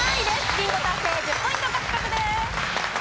ビンゴ達成１０ポイント獲得です。